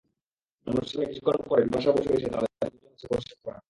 অনুষ্ঠানে কিছুক্ষণ পরে বিপাশা বসু এসে তাঁদের দুজনের মাঝে বসে পড়েন।